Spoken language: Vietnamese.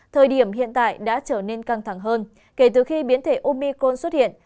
thời điểm hiện tại đã trở nên căng thẳng hơn kể từ khi biến thể omicon xuất hiện